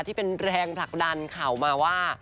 ที่เป็นแรงผลักดันข่าวมาว่า